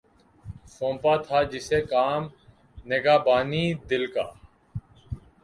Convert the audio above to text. سونپا تھا جسے کام نگہبانئ دل کا